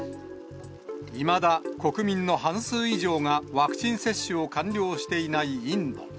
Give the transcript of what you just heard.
いまだ国民の半数以上がワクチン接種を完了していないインド。